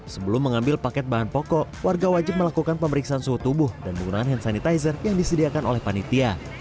sebelum mengambil paket bahan pokok warga wajib melakukan pemeriksaan suhu tubuh dan menggunakan hand sanitizer yang disediakan oleh panitia